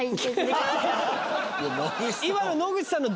今の野口さんの。